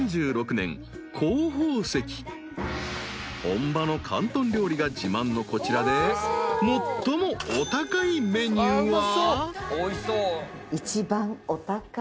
［本場の広東料理が自慢のこちらで最もお高いメニューは］